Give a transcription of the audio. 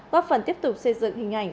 góp phần tiếp tục xây dựng hình ảnh